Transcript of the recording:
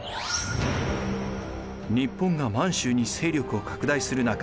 日本が満州に勢力を拡大する中